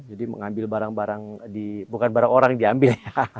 jadi mengambil barang barang bukan barang orang yang diambil